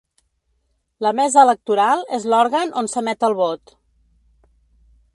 La mesa electoral és l’òrgan on s’emet el vot.